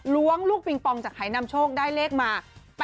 ล้วงลูกปิงปองจากหายนำโชคได้เลขมา